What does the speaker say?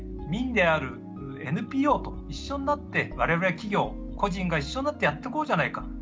民であるＮＰＯと一緒になって我々や企業個人が一緒になってやってこうじゃないか。